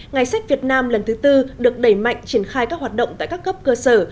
ngày sách việt nam lần thứ tư được đẩy mạnh triển khai các hoạt động tại các cấp cơ sở